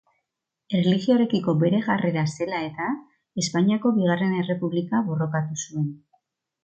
Erlijioarekiko bere jarrera zela eta, Espainiako Bigarren Errepublika borrokatu zuen.